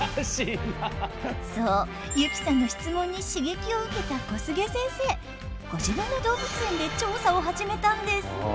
そう優希さんの質問にしげきを受けた小菅先生ご自分の動物園で調査を始めたんです！